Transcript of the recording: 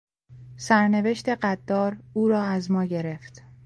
سرنوشت قدار او را از ما گرفت.